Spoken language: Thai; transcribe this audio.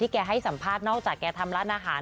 แกให้สัมภาษณ์นอกจากแกทำร้านอาหาร